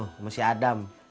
sama si adam